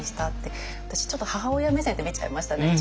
私ちょっと母親目線で見ちゃいましたね。